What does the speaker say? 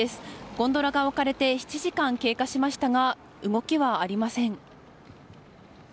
ゴンドラが置かれて７時間経過しましたが動きはありません。